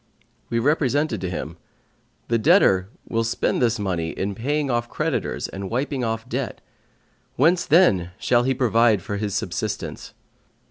We represented to him: The debtor will spend this money in paying off creditors and wiping off debt; whence then shall he provide for his subsistence?